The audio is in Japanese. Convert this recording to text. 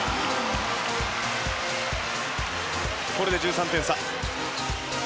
これで１３点差。